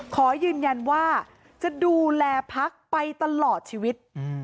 ขอยืนยันว่าจะดูแลพักไปตลอดชีวิต